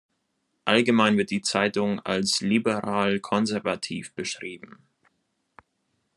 Allgemein wird die Zeitung als liberal-konservativ beschrieben.